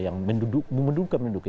yang mendukung atau mendukung